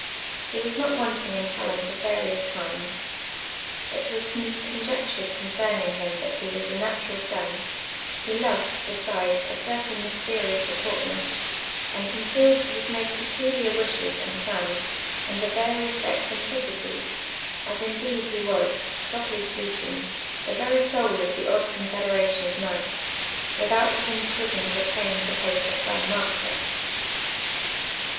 He was not wanting iiu talent of various kinds. It was conjectured concerning him that he was a natural son ; he lovi'd, besides, a certain myste rious deportment, and concealed his most peculiar wishes and ])lans under various eccentricities, as indetd he was, jirojurly H])eaking, the ver)' soul of the odd confederation of knight^ "without having striven to attain the post of gnind master.